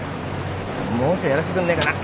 もうちょいやらしてくんねえかな。